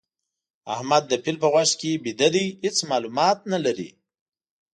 احمد د پيل په غوږ کې ويده دی؛ هيڅ مالومات نه لري.